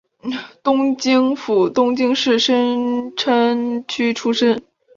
东京府东京市深川区出身。